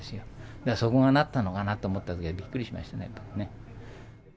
だからそこがなったのかなと思ったときはびっくりしましたね。